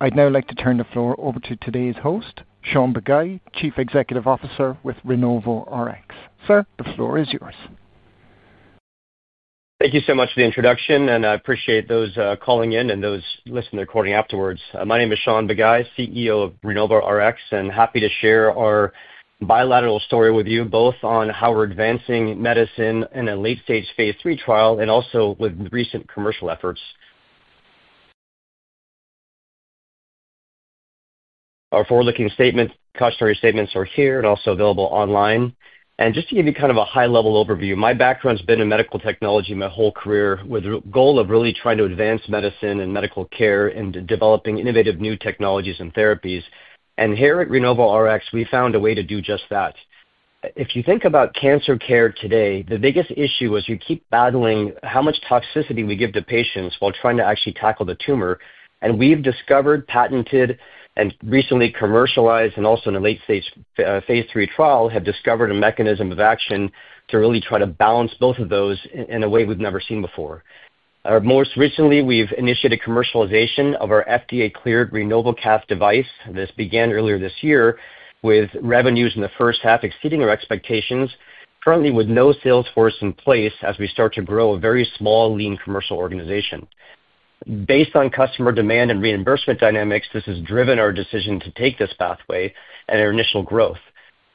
I'd now like to turn the floor over to today's host, Shaun Bagai, Chief Executive Officer with RenovoRx. Sir, the floor is yours. Thank you so much for the introduction, and I appreciate those calling in and those listening to the recording afterwards. My name is Shaun Bagai, CEO of RenovoRx, and happy to share our bilateral story with you, both on how we're advancing medicine in a late-stage phase III trial and also with recent commercial efforts. Our forward-looking statements, cautionary statements, are here and also available online. Just to give you kind of a high-level overview, my background's been in medical technology my whole career, with the goal of really trying to advance medicine and medical care and developing innovative new technologies and therapies. Here at RenovoRx, we found a way to do just that. If you think about cancer care today, the biggest issue is we keep battling how much toxicity we give to patients while trying to actually tackle the tumor. We've discovered, patented, and recently commercialized, and also in a late-stage phase III trial, have discovered a mechanism of action to really try to balance both of those in a way we've never seen before. Most recently, we've initiated commercialization of our FDA-cleared RenovoCath device. This began earlier this year, with revenues in the first half exceeding our expectations, currently with no sales force in place as we start to grow a very small, lean commercial organization. Based on customer demand and reimbursement dynamics, this has driven our decision to take this pathway and our initial growth.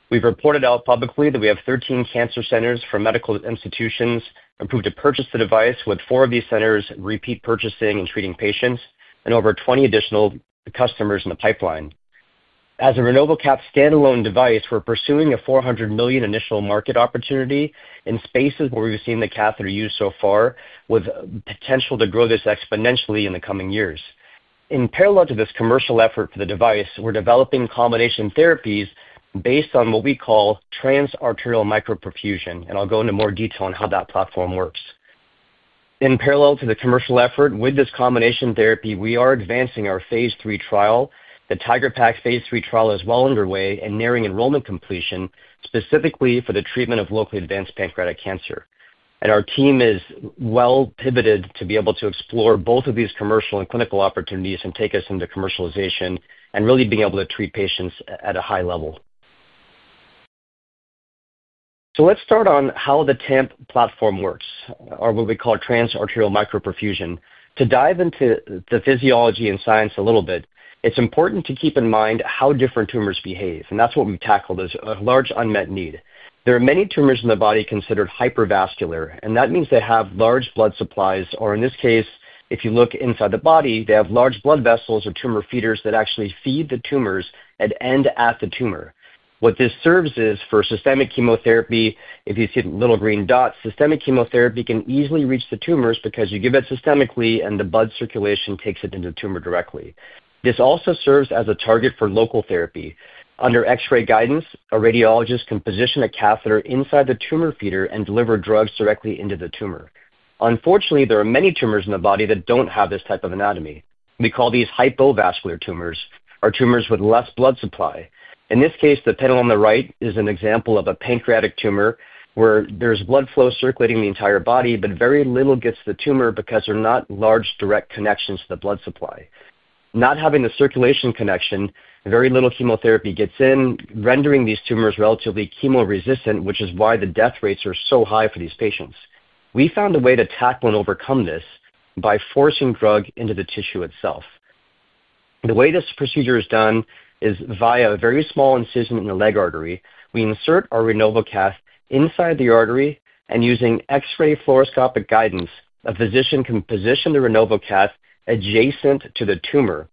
We've reported out publicly that we have 13 cancer centers or medical institutions approved to purchase the device, with four of these centers repeat purchasing and treating patients and over 20 additional customers in the pipeline. As a RenovoCath standalone device, we're pursuing a $400 million initial market opportunity in spaces where we've seen the catheter used so far, with the potential to grow this exponentially in the coming years. In parallel to this commercial effort for the device, we're developing combination therapies based on what we call transarterial microperfusion. I'll go into more detail on how that platform works. In parallel to the commercial effort with this combination therapy, we are advancing our phase III trial. The TIGeR-PaC phase III trial is well underway and nearing enrollment completion, specifically for the treatment of locally advanced pancreatic cancer. Our team is well-pivoted to be able to explore both of these commercial and clinical opportunities and take us into commercialization and really being able to treat patients at a high level. Let's start on how the TAMP platform works, or what we call Transarterial Microperfusion. To dive into the physiology and science a little bit, it's important to keep in mind how different tumors behave. That's what we've tackled as a large unmet need. There are many tumors in the body considered hypervascular, and that means they have large blood supplies, or in this case, if you look inside the body, they have large blood vessels or tumor feeders that actually feed the tumors and end at the tumor. This serves for systemic chemotherapy. If you see the little green dots, systemic chemotherapy can easily reach the tumors because you give it systemically, and the blood circulation takes it into the tumor directly. This also serves as a target for local therapy. Under X-ray guidance, a radiologist can position a catheter inside the tumor feeder and deliver drugs directly into the tumor. Unfortunately, there are many tumors in the body that don't have this type of anatomy. We call these hypovascular tumors, or tumors with less blood supply. In this case, the panel on the right is an example of a pancreatic tumor where there's blood flow circulating the entire body, but very little gets to the tumor because there are not large direct connections to the blood supply. Not having a circulation connection, very little chemotherapy gets in, rendering these tumors relatively chemo-resistant, which is why the death rates are so high for these patients. We found a way to tackle and overcome this by forcing drug into the tissue itself. The way this procedure is done is via a very small incision in the leg artery. We insert our RenovoCath inside the artery, and using X-ray fluoroscopic guidance, a physician can position the RenovoCath adjacent to the tumor.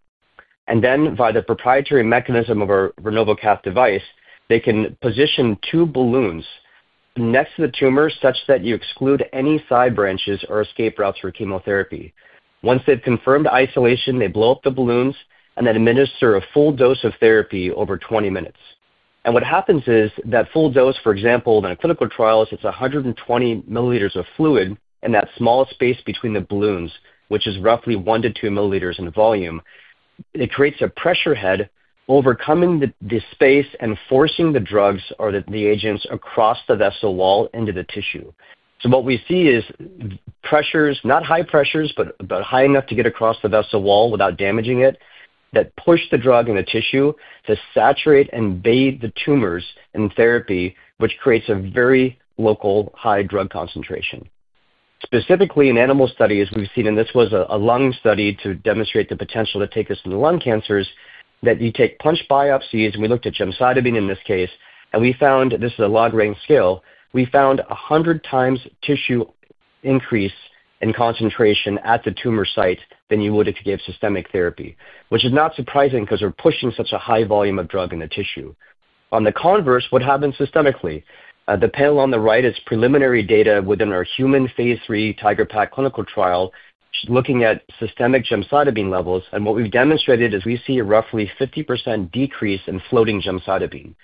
Then, via the proprietary mechanism of our RenovoCath device, they can position two balloons next to the tumor such that you exclude any side branches or escape routes for chemotherapy. Once they've confirmed isolation, they blow up the balloons and then administer a full dose of therapy over 20 minutes. What happens is that full dose, for example, in a clinical trial, is it's 120 milliliters of fluid in that small space between the balloons, which is roughly 1 to 2 milliliters in volume. It creates a pressure head overcoming this space and forcing the drugs or the agents across the vessel wall into the tissue. What we see is pressures, not high pressures, but high enough to get across the vessel wall without damaging it, that push the drug in the tissue to saturate and bathe the tumors in therapy, which creates a very local high drug concentration. Specifically, in animal studies, we've seen, and this was a lung study to demonstrate the potential to take this in lung cancers, that you take punch biopsies, and we looked at gemcitabine in this case, and we found, this is a logarithmic scale, we found 100 times tissue increase in concentration at the tumor site than you would if you gave systemic therapy, which is not surprising because we're pushing such a high volume of drug in the tissue. On the converse, what happens systemically? The panel on the right is preliminary data within our human phase III TIGeR-PaC clinical trial, looking at systemic gemcitabine levels. What we've demonstrated is we see a roughly 50% decrease in floating gemcitabine.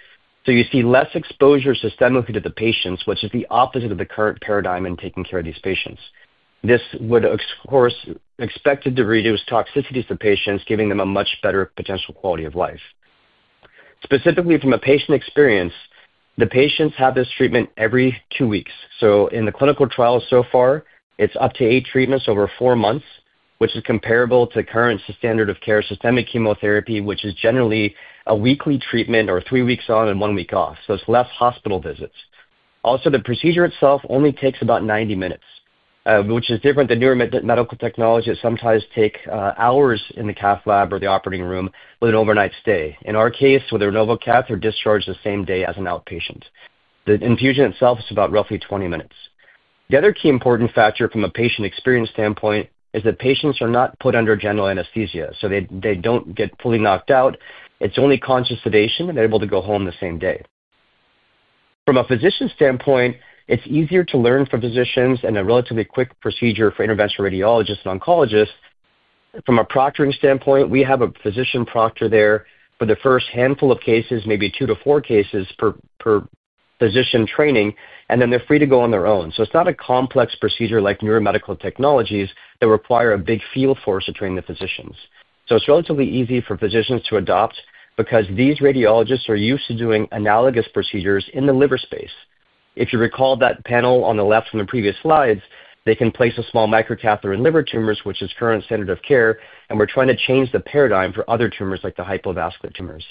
You see less exposure systemically to the patients, which is the opposite of the current paradigm in taking care of these patients. This would, of course, expect to reduce toxicities to patients, giving them a much better potential quality of life. Specifically, from a patient experience, the patients have this treatment every two weeks. In the clinical trial so far, it's up to eight treatments over four months, which is comparable to current standard of care systemic chemotherapy, which is generally a weekly treatment or three weeks on and one week off. It's less hospital visits. Also, the procedure itself only takes about 90 minutes, which is different than newer medical technologies that sometimes take hours in the cath lab or the operating room with an overnight stay. In our case, with the RenovoCath, they're discharged the same day as an outpatient. The infusion itself is about roughly 20 minutes. The other key important factor from a patient experience standpoint is that patients are not put under general anesthesia, so they don't get fully knocked out. It's only conscious sedation, and they're able to go home the same day. From a physician standpoint, it's easier to learn from physicians and a relatively quick procedure for interventional radiologists and oncologists. From a proctoring standpoint, we have a physician proctor there for the first handful of cases, maybe two to four cases per physician training, and then they're free to go on their own. It's not a complex procedure like newer medical technologies that require a big field force to train the physicians. It's relatively easy for physicians to adopt because these radiologists are used to doing analogous procedures in the liver space. If you recall that panel on the left from the previous slides, they can place a small microcatheter in liver tumors, which is current standard of care, and we're trying to change the paradigm for other tumors like the hypovascular tumors.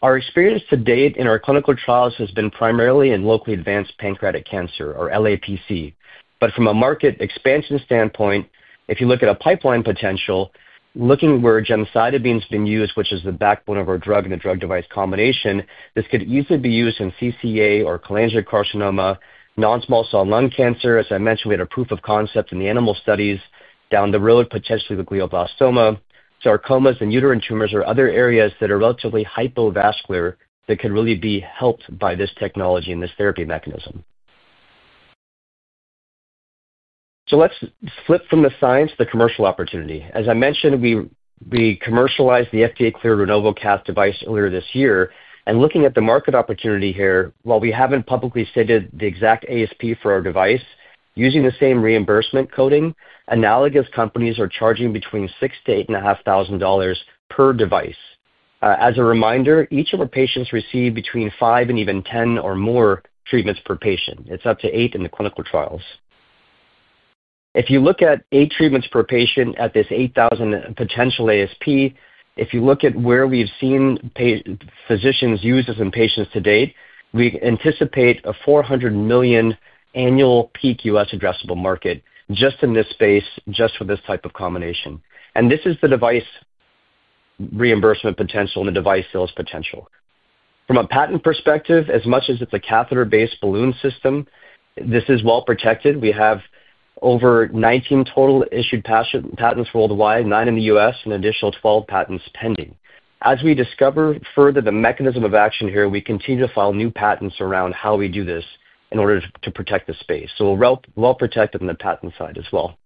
Our experience to date in our clinical trials has been primarily in locally advanced pancreatic cancer, or LAPC. From a market expansion standpoint, if you look at a pipeline potential, looking at where gemcitabine's been used, which is the backbone of our drug and the drug-device combination, this could easily be used in CCA or cholangiocarcinoma, non-small cell lung cancer. As I mentioned, we had a proof of concept in the animal studies down the road, potentially with glioblastoma, sarcomas, and uterine tumors, or other areas that are relatively hypovascular that could really be helped by this technology and this therapy mechanism. Let's flip from the science to the commercial opportunity. As I mentioned, we commercialized the FDA-cleared RenovoCath device earlier this year. Looking at the market opportunity here, while we haven't publicly stated the exact ASP for our device, using the same reimbursement coding, analogous companies are charging between $6,000 to $8,500 per device. As a reminder, each of our patients receives between five and even ten or more treatments per patient. It's up to eight in the clinical trials. If you look at eight treatments per patient at this $8,000 potential ASP, if you look at where we've seen physicians use this in patients to date, we anticipate a $400 million annual peak U.S. addressable market just in this space, just for this type of combination. This is the device reimbursement potential and the device sales potential. From a patent perspective, as much as it's a catheter-based balloon system, this is well protected. We have over 19 total issued patents worldwide, nine in the U.S., and an additional 12 patents pending. As we discover further the mechanism of action here, we continue to file new patents around how we do this in order to protect the space. We're well protected on the patent side as well.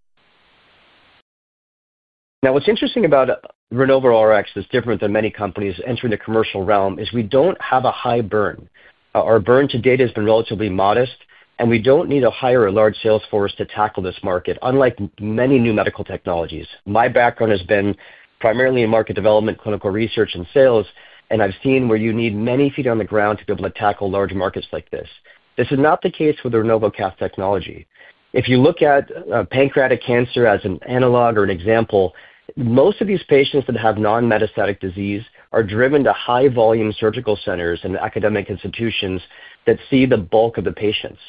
What's interesting about RenovoRx that's different than many companies entering the commercial realm is we don't have a high burn. Our burn to date has been relatively modest, and we don't need a higher or large sales force to tackle this market, unlike many new medical technologies. My background has been primarily in market development, clinical research, and sales, and I've seen where you need many feet on the ground to be able to tackle large markets like this. This is not the case with the RenovoCath technology. If you look at pancreatic cancer as an analog or an example, most of these patients that have non-metastatic disease are driven to high-volume surgical centers and academic institutions that see the bulk of the patients.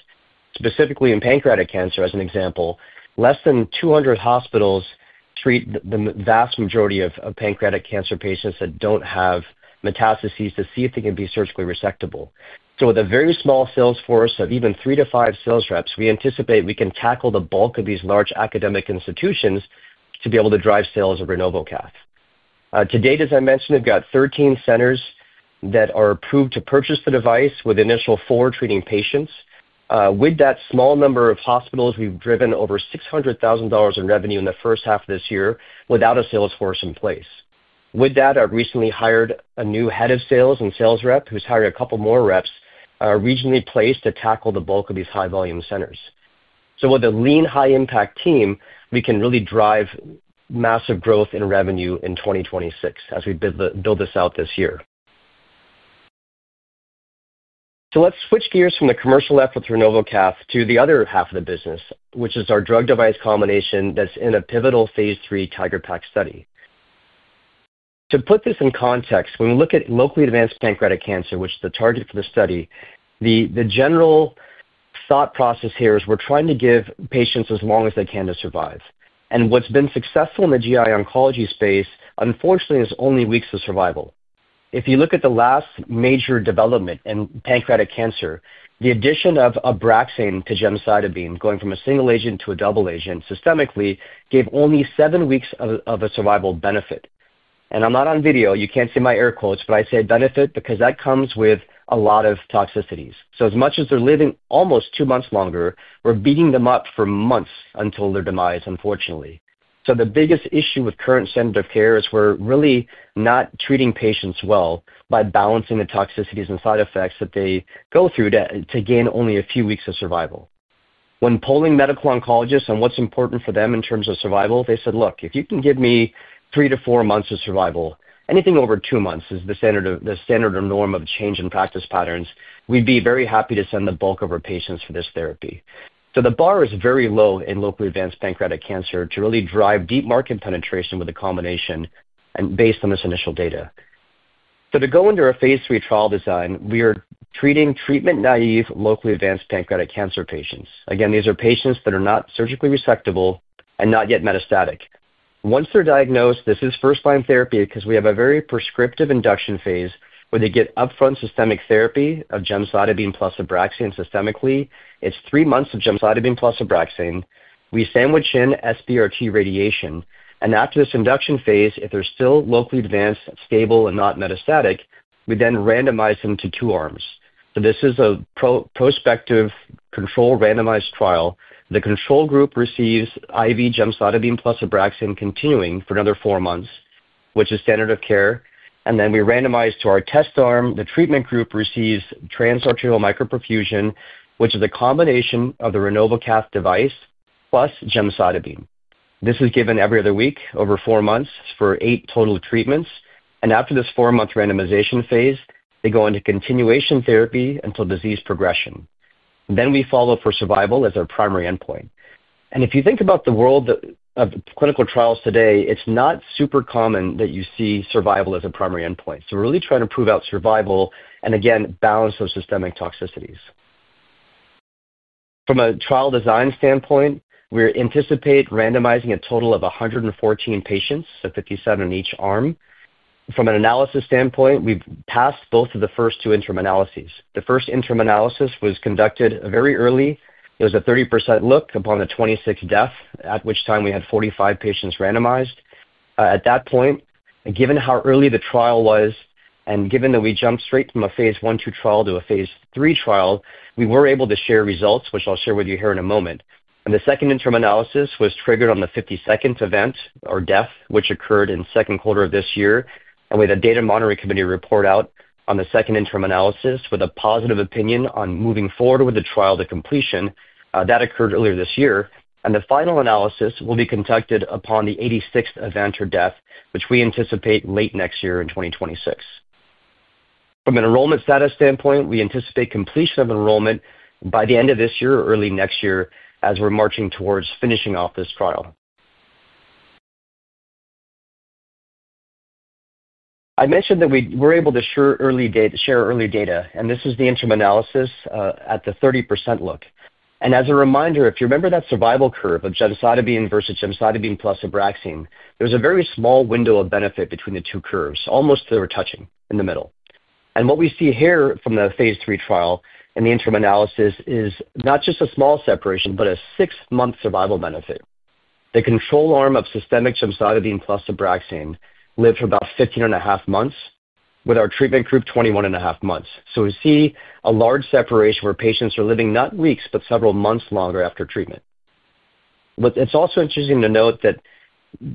Specifically, in pancreatic cancer, as an example, less than 200 hospitals treat the vast majority of pancreatic cancer patients that don't have metastases to see if they can be surgically resectable. With a very small sales force of even three to five sales reps, we anticipate we can tackle the bulk of these large academic institutions to be able to drive sales of RenovoCath. To date, as I mentioned, we've got 13 centers that are approved to purchase the device with the initial four treating patients. With that small number of hospitals, we've driven over $600,000 in revenue in the first half of this year without a sales force in place. I've recently hired a new head of sales and sales rep who's hired a couple more reps regionally placed to tackle the bulk of these high-volume centers. With a lean, high-impact team, we can really drive massive growth in revenue in 2026 as we build this out this year. Let's switch gears from the commercial efforts of RenovoCath to the other half of the business, which is our drug-device combination that's in a pivotal phase III TIGeR-PaC study. To put this in context, when we look at locally advanced pancreatic cancer, which is the target for the study, the general thought process here is we're trying to give patients as long as they can to survive. What's been successful in the GI oncology space, unfortunately, is only weeks of survival. If you look at the last major development in pancreatic cancer, the addition of Abraxane to gemcitabine, going from a single agent to a double agent systemically, gave only seven weeks of a survival benefit. I'm not on video. You can't see my air quotes, but I say benefit because that comes with a lot of toxicities. As much as they're living almost two months longer, we're beating them up for months until their demise, unfortunately. The biggest issue with current standard of care is we're really not treating patients well by balancing the toxicities and side effects that they go through to gain only a few weeks of survival. When polling medical oncologists on what's important for them in terms of survival, they said, "Look, if you can give me three to four months of survival, anything over two months is the standard or norm of change in practice patterns, we'd be very happy to send the bulk of our patients to this therapy." The bar is very low in locally advanced pancreatic cancer to really drive deep market penetration with a combination based on this initial data. To go into our phase III trial design, we are treating treatment-naïve locally advanced pancreatic cancer patients. These are patients that are not surgically resectable and not yet metastatic. Once they're diagnosed, this is first-line therapy because we have a very prescriptive induction phase where they get upfront systemic therapy of gemcitabine plus Abraxane systemically. It's three months of gemcitabine plus Abraxane. We sandwich in SBRT radiation. After this induction phase, if they're still locally advanced, stable, and not metastatic, we then randomize them to two arms. This is a prospective control randomized trial. The control group receives IV gemcitabine plus Abraxane continuing for another four months, which is standard of care. We randomize to our test arm. The treatment group receives Transarterial Microperfusion (TAMP) therapy platform, which is the combination of the RenovoCath device plus gemcitabine. This is given every other week over four months for eight total treatments. After this four-month randomization phase, they go into continuation therapy until disease progression. We follow up for survival as our primary endpoint. If you think about the world of clinical trials today, it's not super common that you see survival as a primary endpoint. We're really trying to prove out survival and, again, balance those systemic toxicities. From a trial design standpoint, we anticipate randomizing a total of 114 patients, so 57 in each arm. From an analysis standpoint, we've passed both of the first two interim analyses. The first interim analysis was conducted very early. It was a 30% look upon the 26 deaths, at which time we had 45 patients randomized. At that point, given how early the trial was and given that we jumped straight from a phase one/two trial to a phase three trial, we were able to share results, which I'll share with you here in a moment. The second interim analysis was triggered on the 52nd event or death, which occurred in the second quarter of this year. We had a data monitoring committee report out on the second interim analysis with a positive opinion on moving forward with the trial to completion. That occurred earlier this year. The final analysis will be conducted upon the 86th event or death, which we anticipate late next year in 2026. From an enrollment status standpoint, we anticipate completion of enrollment by the end of this year or early next year as we're marching towards finishing off this trial. I mentioned that we were able to share early data, and this is the interim analysis at the 30% look. As a reminder, if you remember that survival curve of gemcitabine versus gemcitabine plus Abraxane, there was a very small window of benefit between the two curves, almost to the touching in the middle. What we see here from the phase three trial and the interim analysis is not just a small separation, but a six-month survival benefit. The control arm of systemic gemcitabine plus Abraxane lived for about 15.5 months, with our treatment group 21.5 months. We see a large separation where patients are living not weeks, but several months longer after treatment. It's also interesting to note that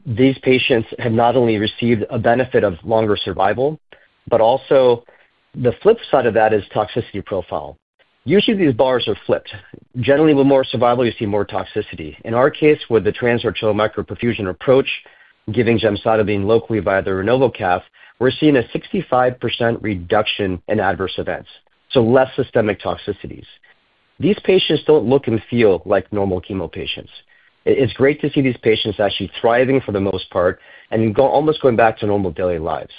these patients have not only received a benefit of longer survival, but also the flip side of that is toxicity profile. Usually, these bars are flipped. Generally, with more survival, you see more toxicity. In our case, with the Transarterial Microperfusion (TAMP) therapy platform approach giving gemcitabine locally via the RenovoCath, we're seeing a 65% reduction in adverse events, so less systemic toxicities. These patients don't look and feel like normal chemo patients. It's great to see these patients actually thriving for the most part and almost going back to normal daily lives.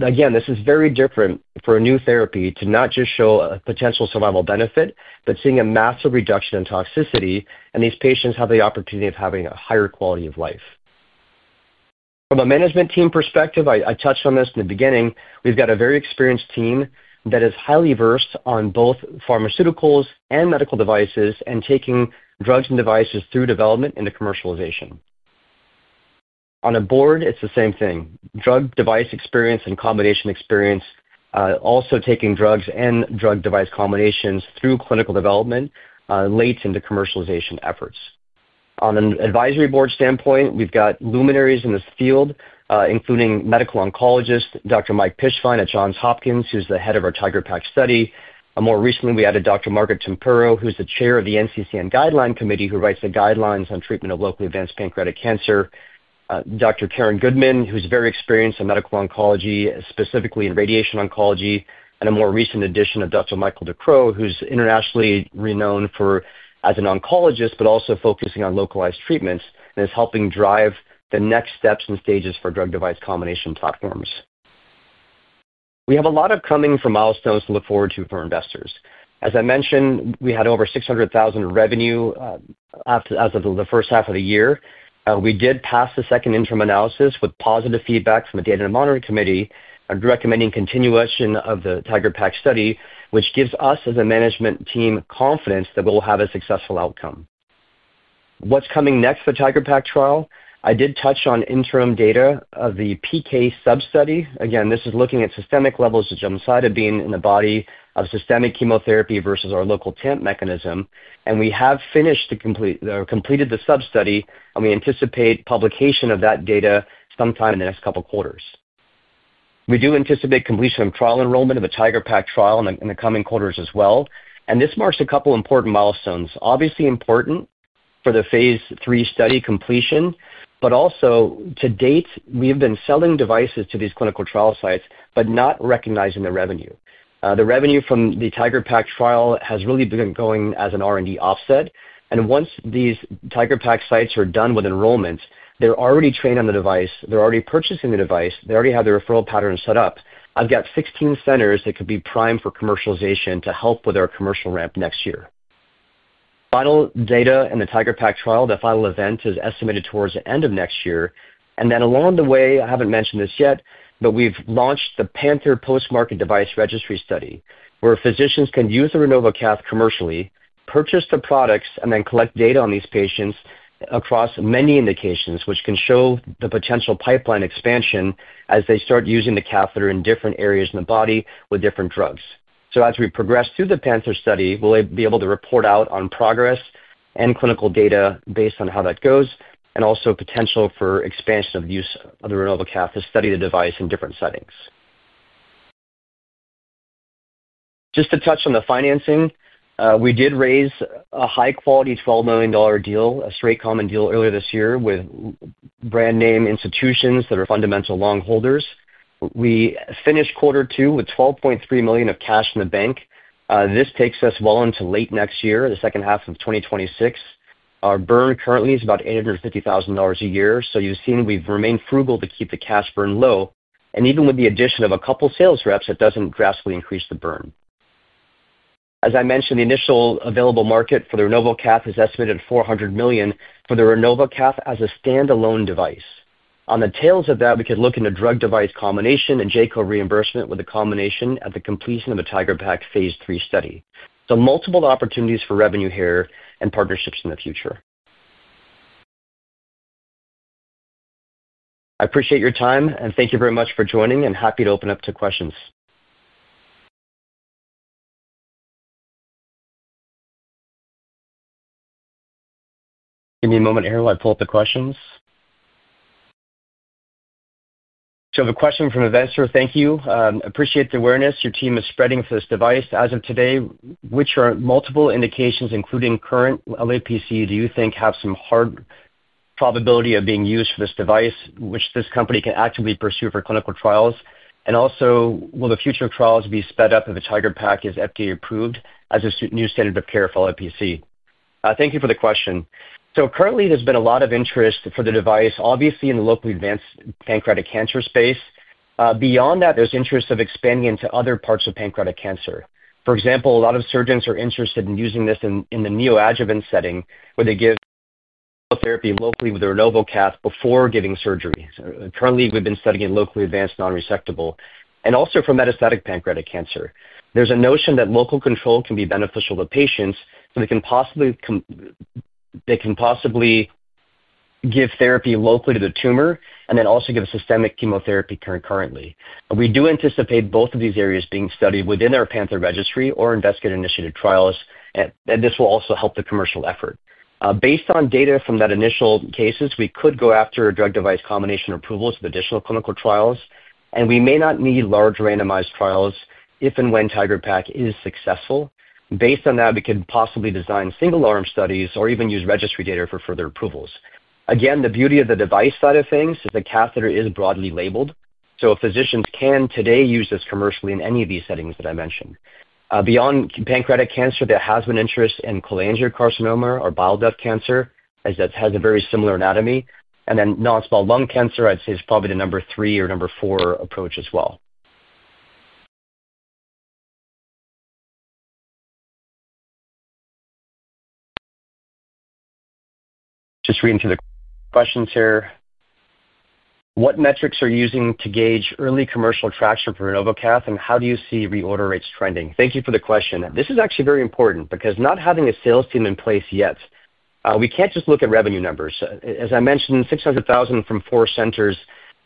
Again, this is very different for a new therapy to not just show a potential survival benefit, but seeing a massive reduction in toxicity and these patients have the opportunity of having a higher quality of life. From a management team perspective, I touched on this in the beginning, we've got a very experienced team that is highly versed on both pharmaceuticals and medical devices and taking drugs and devices through development into commercialization. On a board, it's the same thing. Drug-device experience and combination experience, also taking drugs and drug-device combinations through clinical development, late into commercialization efforts. On an advisory board standpoint, we've got luminaries in this field, including Medical Oncologist Dr. Mike Pishvaian at Johns Hopkins, who's the head of our TIGeR-PaC study. More recently, we added Dr. Margaret Tempero, who's the chair of the NCCN Guideline Committee, who writes the guidelines on treatment of locally advanced pancreatic cancer. Dr. Karen Goodman, who's very experienced in medical oncology, specifically in radiation oncology, and a more recent addition of Dr. Michael Decroix, who's internationally renowned as an oncologist, but also focusing on localized treatments and is helping drive the next steps and stages for drug-device combination platforms. We have a lot upcoming for milestones to look forward to from investors. As I mentioned, we had over $600,000 in revenue as of the first half of the year. We did pass the second interim analysis with positive feedback from the data monitoring committee, recommending continuation of the TIGeR-PaC study, which gives us as a management team confidence that we'll have a successful outcome. What's coming next for the TIGeR-PaC trial? I did touch on interim data of the PK substudy. Again, this is looking at systemic levels of gemcitabine in the body of systemic chemotherapy versus our local TAMP mechanism. We have finished the substudy, and we anticipate publication of that data sometime in the next couple of quarters. We do anticipate completion of trial enrollment of the TIGeR-PaC trial in the coming quarters as well. This marks a couple of important milestones. Obviously important for the phase III study completion, but also to date, we have been selling devices to these clinical trial sites, but not recognizing the revenue. The revenue from the TIGeR-PaC trial has really been going as an R&D offset. Once these TIGeR-PaC sites are done with enrollments, they're already trained on the device, they're already purchasing the device, they already have their referral pattern set up. I've got 16 centers that could be primed for commercialization to help with our commercial ramp next year. Final data in the TIGeR-PaC trial, the final event is estimated towards the end of next year. Along the way, I haven't mentioned this yet, but we've launched the PANTHER post-market device registry study, where physicians can use the RenovoCath commercially, purchase the products, and then collect data on these patients across many indications, which can show the potential pipeline expansion as they start using the catheter in different areas in the body with different drugs. As we progress through the PANTHER study, we'll be able to report out on progress and clinical data based on how that goes, and also potential for expansion of the use of the RenovoCath to study the device in different settings. Just to touch on the financing, we did raise a high-quality $12 million deal, a straight common deal earlier this year with brand-name institutions that are fundamental long holders. We finished quarter two with $12.3 million of cash in the bank. This takes us well into late next year, the second half of 2026. Our burn currently is about $850,000 a year. You've seen we've remained frugal to keep the cash burn low. Even with the addition of a couple of sales reps, it doesn't drastically increase the burn. As I mentioned, the initial available market for the RenovoCath is estimated at $400 million for the RenovoCath as a standalone device. On the tails of that, we could look into drug-device combination and JCO reimbursement with a combination at the completion of the TIGeR-PaC phase III study. Multiple opportunities for revenue here and partnerships in the future. I appreciate your time, and thank you very much for joining, and happy to open up to questions. Give me a moment here while I pull up the questions. I have a question from an investor. Thank you. I appreciate the awareness your team is spreading for this device. As of today, which are multiple indications, including current locally advanced pancreatic cancer (LAPC), do you think have some hard probability of being used for this device, which this company can actively pursue for clinical trials? Also, will the future trials be sped up if the TIGeR-PaC is FDA-approved as a new standard of care for LAPC? Thank you for the question. Currently, there's been a lot of interest for the device, obviously in the locally advanced pancreatic cancer space. Beyond that, there's interest of expanding into other parts of pancreatic cancer. For example, a lot of surgeons are interested in using this in the neoadjuvant setting where they give chemotherapy locally with the RenovoCath before giving surgery. Currently, we've been studying it in locally advanced non-resectable and also for metastatic pancreatic cancer. There's a notion that local control can be beneficial to patients, so they can possibly give therapy locally to the tumor and then also give systemic chemotherapy concurrently. We do anticipate both of these areas being studied within our PANTHER registry or investigator-initiated trials, and this will also help the commercial effort. Based on data from that initial cases, we could go after a drug-device combination approval through additional clinical trials, and we may not need large randomized trials if and when TIGeR-PaC is successful. Based on that, we could possibly design single arm studies or even use registry data for further approvals. The beauty of the device side of things is the catheter is broadly labeled, so physicians can today use this commercially in any of these settings that I mentioned. Beyond pancreatic cancer, there has been interest in cholangiocarcinoma or bile duct cancer that has a very similar anatomy. Non-small cell lung cancer, I'd say, is probably the number three or number four approach as well. Just reading through the questions here. What metrics are you using to gauge early commercial traction for RenovoCath, and how do you see reorder rates trending? Thank you for the question. This is actually very important because not having a sales team in place yet, we can't just look at revenue numbers. As I mentioned, $600,000 from four centers,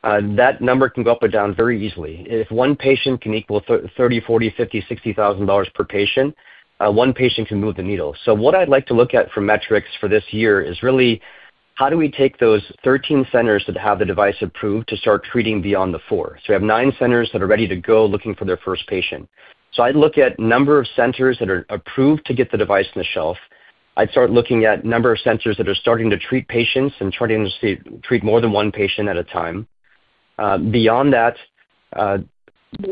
that number can go up or down very easily. If one patient can equal $30,000, $40,000, $50,000, $60,000 per patient, one patient can move the needle. What I'd like to look at for metrics for this year is really how do we take those 13 centers that have the device approved to start treating beyond the four? We have nine centers that are ready to go looking for their first patient. I'd look at the number of centers that are approved to get the device on the shelf. I'd start looking at the number of centers that are starting to treat patients and starting to treat more than one patient at a time. Beyond that,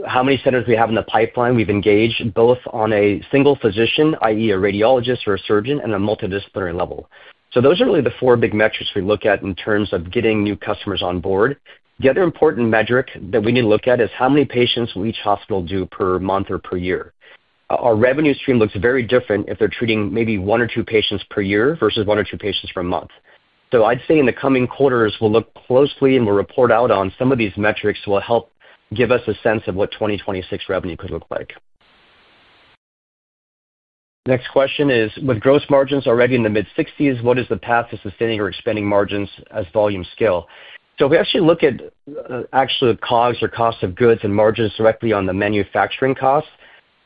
how many centers we have in the pipeline we've engaged both on a single physician, i.e., a radiologist or a surgeon, and a multidisciplinary level. Those are really the four big metrics we look at in terms of getting new customers on board. The other important metric that we need to look at is how many patients will each hospital do per month or per year. Our revenue stream looks very different if they're treating maybe one or two patients per year versus one or two patients per month. In the coming quarters, we'll look closely and we'll report out on some of these metrics that will help give us a sense of what 2026 revenue could look like. Next question is, with gross margins already in the mid-60%, what is the path to sustaining or expanding margins as volumes scale? If we actually look at actual COGS or cost of goods and margins directly on the manufacturing cost,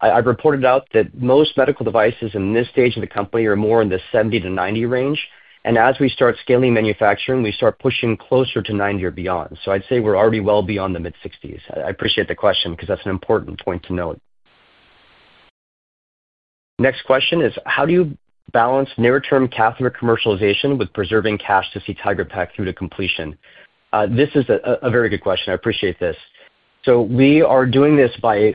I've reported out that most medical devices in this stage of the company are more in the $70 to $90 range. As we start scaling manufacturing, we start pushing closer to $90 or beyond. I'd say we're already well beyond the mid-60%. I appreciate the question because that's an important point to note. Next question is, how do you balance near-term catheter commercialization with preserving cash to see TIGeR-PaC through to completion? This is a very good question. I appreciate this. We are doing this by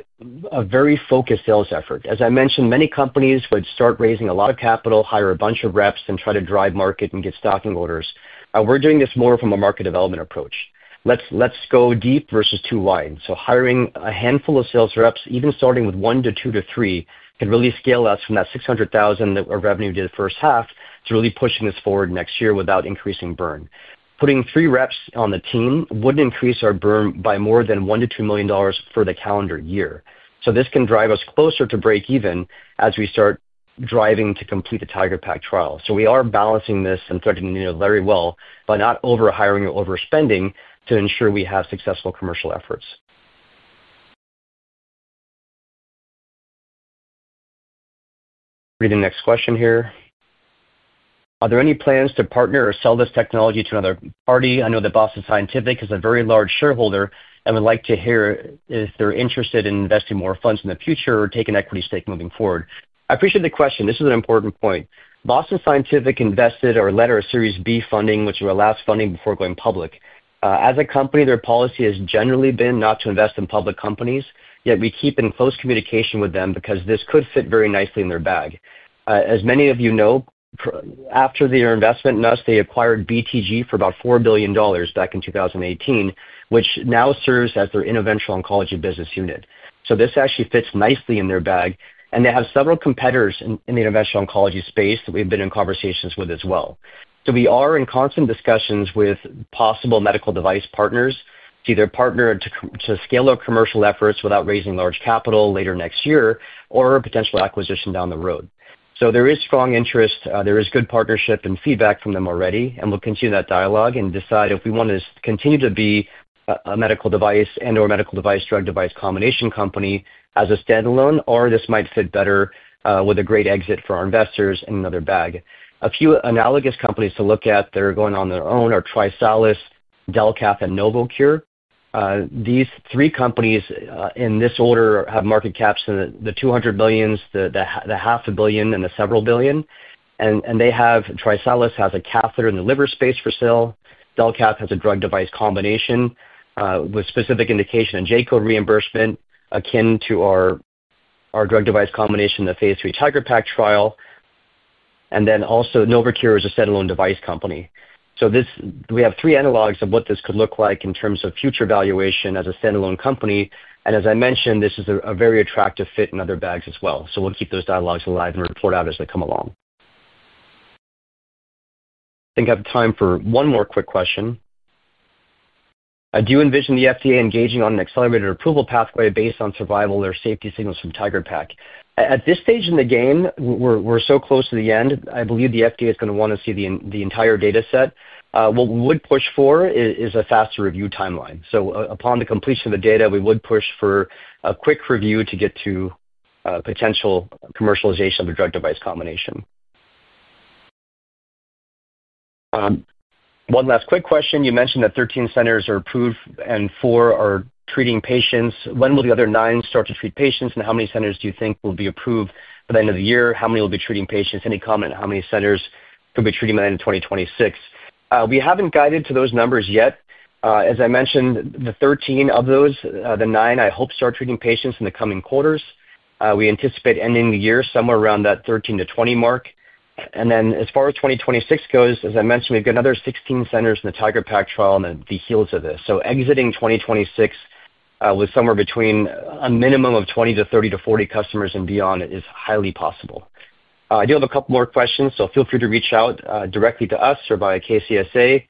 a very focused sales effort. As I mentioned, many companies would start raising a lot of capital, hire a bunch of reps, then try to drive market and get stocking orders. We're doing this more from a market development approach. Let's go deep versus too wide. Hiring a handful of sales reps, even starting with one to two to three, could really scale us from that $600,000 that our revenue did the first half to really pushing this forward next year without increasing burn. Putting three reps on the team wouldn't increase our burn by more than $1 to $2 million for the calendar year. This can drive us closer to break even as we start driving to complete the TIGeR-PaC trial. We are balancing this and threading the needle very well by not overhiring or overspending to ensure we have successful commercial efforts. Reading the next question here. Are there any plans to partner or sell this technology to another party? I know that Boston Scientific is a very large shareholder and would like to hear if they're interested in investing more funds in the future or taking an equity stake moving forward. I appreciate the question. This is an important point. Boston Scientific invested our letter of Series B funding, which will allow us funding before going public. As a company, their policy has generally been not to invest in public companies, yet we keep in close communication with them because this could fit very nicely in their bag. As many of you know, after their investment in us, they acquired BTG for about $4 billion back in 2018, which now serves as their interventional oncology business unit. This actually fits nicely in their bag. They have several competitors in the interventional oncology space that we've been in conversations with as well. We are in constant discussions with possible medical device partners to either partner and to scale our commercial efforts without raising large capital later next year or a potential acquisition down the road. There is strong interest. There is good partnership and feedback from them already, and we'll continue that dialogue and decide if we want to continue to be a medical device and/or medical device/drug-device combination company as a standalone, or this might fit better with a great exit for our investors in another bag. A few analogous companies to look at that are going on their own are TriSalis, Delcath, and Novocure. These three companies in this order have market caps in the $200 million, the half a billion, and the several billion. TriSalis has a catheter in the liver space for sale. Delcath has a drug-device combination with specific indication and JCO reimbursement, akin to our drug-device combination in the phase III TIGeR-PaC trial. Also, Novocure is a standalone device company. We have three analogs of what this could look like in terms of future valuation as a standalone company. As I mentioned, this is a very attractive fit in other bags as well. We'll keep those dialogues alive and report out as they come along. I think I have time for one more quick question. I do envision the FDA engaging on an accelerated approval pathway based on survival or safety signals from TIGeR-PaC. At this stage in the game, we're so close to the end, I believe the FDA is going to want to see the entire data set. What we would push for is a faster review timeline. Upon the completion of the data, we would push for a quick review to get to potential commercialization of a drug-device combination. One last quick question. You mentioned that 13 centers are approved and four are treating patients. When will the other nine start to treat patients, and how many centers do you think will be approved by the end of the year? How many will be treating patients? Any comment on how many centers will be treating by the end of 2026? We haven't guided to those numbers yet. As I mentioned, the 13 of those, the nine, I hope start treating patients in the coming quarters. We anticipate ending the year somewhere around that 13 to 20 mark. As far as 2026 goes, as I mentioned, we've got another 16 centers in the TIGeR-PaC trial in the heels of this. Exiting 2026 with somewhere between a minimum of 20 to 30 to 40 customers and beyond is highly possible. I do have a couple more questions, so feel free to reach out directly to us or via KCSA,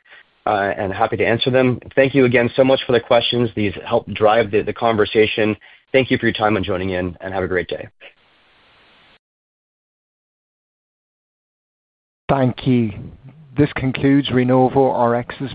and happy to answer them. Thank you again so much for the questions. These help drive the conversation. Thank you for your time and joining in, and have a great day. Thank you. This concludes RenovoRx's.